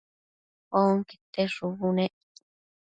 onquete shubu nec